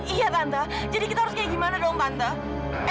iya tante jadi kita harus kayak gimana dong tante